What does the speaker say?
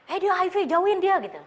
eh due hiv jauhin dia gitu